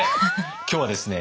今日はですね